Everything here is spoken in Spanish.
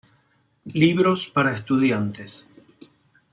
Libros para estudiantes.